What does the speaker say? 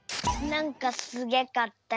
なんかすげかった！